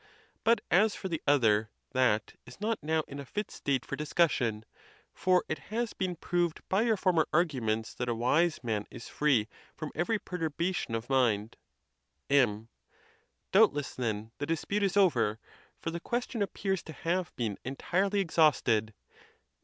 But as for the other, that is not now in a fit state for dis cussion; for it has been proved by your former arguments that a wise man is free from every perturbation of mind. M. Doubtless, then, the dispute is over; for the question appears to have been entirely exhausted.